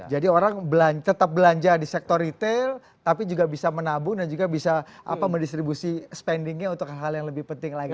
jadi orang tetap belanja di sektor retail tapi juga bisa menabung dan juga bisa apa mendistribusi spendingnya untuk hal yang lebih penting lagi